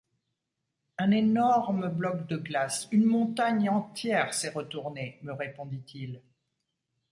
Un énorme bloc de glace, une montagne entière s’est retournée, me répondit-il.